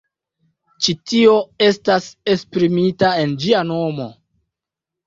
Ĉi tio estas esprimita en ĝia nomo.